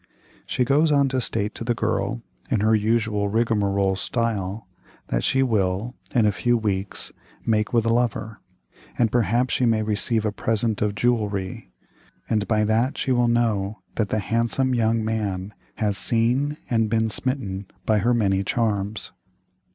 "She goes on to state to the girl, in her usual rigmarole style, that she will, in a few weeks, meet with a lover; and perhaps she may receive a present of jewelry; and by that she will know that the 'handsome young man' has seen, and been smitten by her many charms.